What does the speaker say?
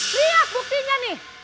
lihat buktinya nih